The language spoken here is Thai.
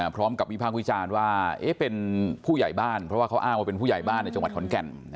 พร้อมกับวิพากษ์วิจารณ์ว่าเป็นผู้ใหญ่บ้านเพราะว่าเขาอ้างว่าเป็นผู้ใหญ่บ้านในจังหวัดขอนแก่น